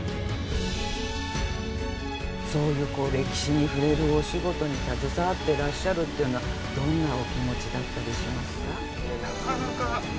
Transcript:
そういう歴史に触れるお仕事に携わっていらっしゃるっていうのはどんなお気持ちだったりしますか？